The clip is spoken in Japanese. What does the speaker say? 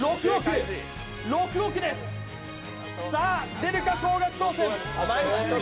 出るか、高額当選。